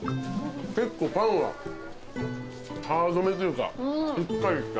結構パンはハードめというかしっかりした。